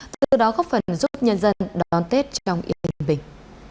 từ đó góp phần giúp nhân dân đón tết trong yên yên bình